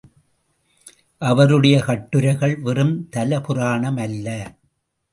அவருடைய கட்டுரைகள் வெறும் தலபுராணம் அல்ல.